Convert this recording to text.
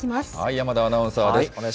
山田アナウンサーです。